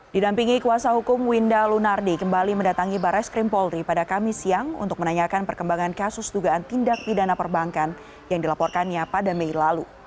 didampingi kuasa hukum winda lunardi kembali mendatangi bares krim polri pada kamis siang untuk menanyakan perkembangan kasus dugaan tindak pidana perbankan yang dilaporkannya pada mei lalu